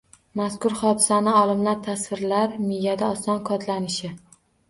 Mazkur hodisani olimlar tasvirlar miyada oson kodlanishi